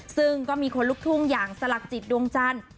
ซึ่งก็มีคนลุกทุ่งอย่างสลักจิตดวงจันทร์